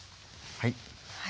はい。